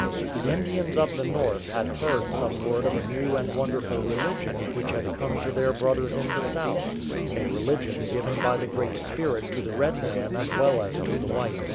The Indians of the north had heard some word of a new and wonderful religion which had come to their brothers in the south — a religion given by the Great Spirit to the red man as well as to the white.